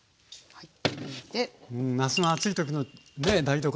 はい。